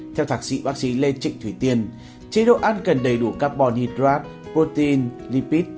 theo thạc sĩ bác sĩ lê trịnh thủy tiên chế độ ăn cần đầy đủ carbon hydrate protein lipid